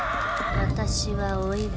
私はお岩。